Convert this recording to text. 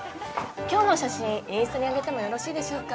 今日の写真インスタにあげてもよろしいでしょうか。